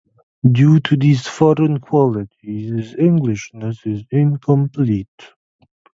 Due to these foreign qualities, his Englishness is incomplete.